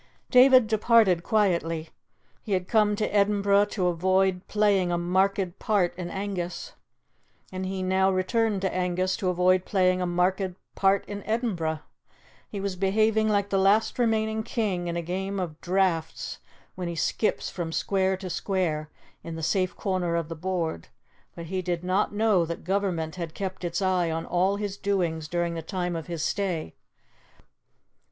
David departed quietly. He had come to Edinburgh to avoid playing a marked part in Angus, and he now returned to Angus to avoid playing a marked part in Edinburgh. He was behaving like the last remaining king in a game of draughts when he skips from square to square in the safe corner of the board; but he did not know that Government had kept its eye on all his doings during the time of his stay.